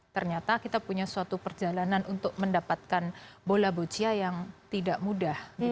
ternyata kita punya suatu perjalanan untuk mendapatkan bola boccia yang tidak mudah